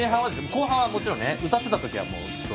後半はもちろんね歌ってたときはもうずっと。